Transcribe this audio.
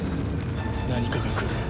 何かが来る。